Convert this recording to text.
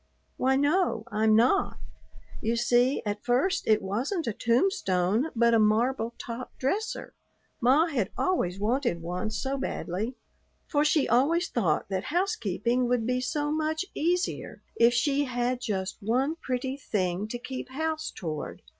"Why no, I'm not. You see, at first it wasn't a tombstone but a marble top dresser. Ma had always wanted one so badly; for she always thought that housekeeping would be so much easier if she had just one pretty thing to keep house toward.